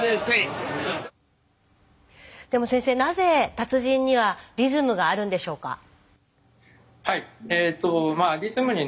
でも先生なぜ達人にはリズムがあるんでしょうか？